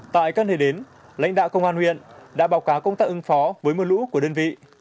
tại các nơi đến lãnh đạo công an huyện đã báo cáo công tác ứng phó với mưa lũ của đơn vị